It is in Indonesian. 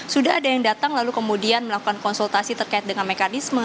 sudah ada yang datang lalu kemudian melakukan konsultasi terkait dengan mekanisme